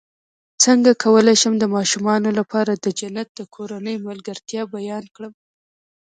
څنګه کولی شم د ماشومانو لپاره د جنت د کورنۍ ملګرتیا بیان کړم